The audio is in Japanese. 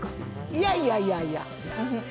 いやいやいやいや。